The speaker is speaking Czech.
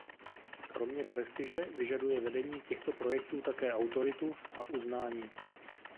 Kromě prestiže vyžaduje vedení těchto projektů také autoritu a uznání.